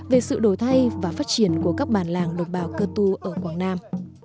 về sự đổi thay và phát triển của các bản làng đồng bào cơ tu ở quảng nam